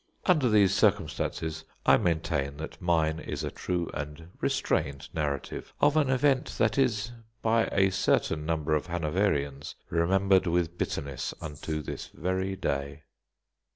Under these circumstances, I maintain that mine is a true and restrained narrative of an event that is, by a certain number of Hanoverians, remembered with bitterness unto this very day.